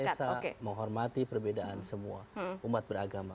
ketuhanan yang maha esa menghormati perbedaan semua umat beragama